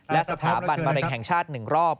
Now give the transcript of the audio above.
และสถาบันบริเวณแห่งชาติหนึ่งรอบ